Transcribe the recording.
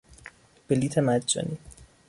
بلیط مجانی